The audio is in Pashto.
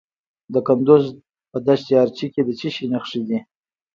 د کندز په دشت ارچي کې د څه شي نښې دي؟